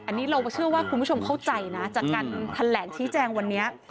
อันนี้เราเชื่อว่าคุณผู้ชมเข้าใจนะจากการแถลงชี้แจงวันนี้